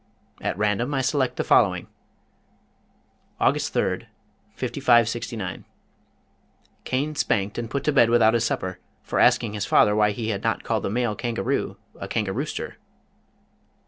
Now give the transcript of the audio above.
At random I select the following: August 3rd, 5569. Cain spanked and put to bed without his supper for asking his father why he had not called the male Kangaroo a Kangarooster.